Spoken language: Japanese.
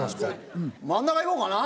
真ん中いこうかな。